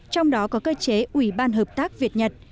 trong đó có cơ chế ubh việt nhật